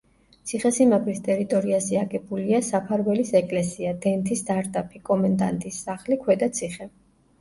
ციხესიმაგრის ტერიტორიაზე აგებულია, საფარველის ეკლესია, დენთის სარდაფი, კომენდანტის სახლი, ქვედა ციხე.